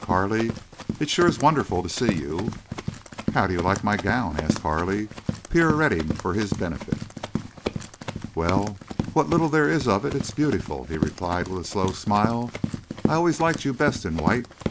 Carley, it's sure wonderful to see you." "How do you like my gown?" asked Carley, pirouetting for his benefit. "Well, what little there is of it is beautiful," he replied, with a slow smile. "I always liked you best in white.